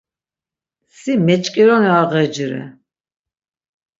Si meç̆k̆ironi ar ğeci re.